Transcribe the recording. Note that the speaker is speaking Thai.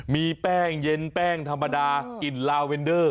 มีแป้งเย็นแป้งธรรมดากลิ่นลาเวนเดอร์